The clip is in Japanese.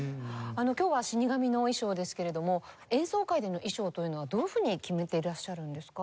今日は死神の衣装ですけれども演奏会での衣装というのはどういうふうに決めていらっしゃるんですか？